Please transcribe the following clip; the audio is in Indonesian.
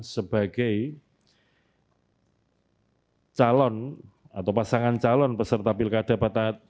sebagai calon atau pasangan calon peserta pilkada pada tanggal dua puluh dua september dua ribu dua puluh empat